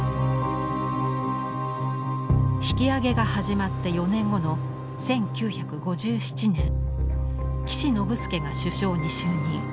引き揚げが始まって４年後の１９５７年岸信介が首相に就任。